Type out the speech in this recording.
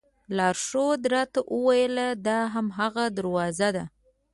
لارښود راته وویل دا هماغه دروازه ده.